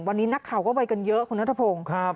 วันนี้นักข่าวก็ไปกันเยอะคุณนัทพงศ์